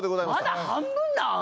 まだ半分なん？